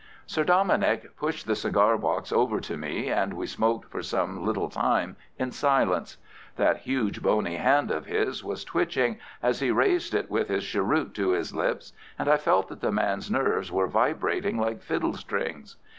Sir Dominick pushed the cigar box over to me, and we smoked for some little time in silence. That huge bony hand of his was twitching as he raised it with his cheroot to his lips, and I felt that the man's nerves were vibrating like fiddle strings.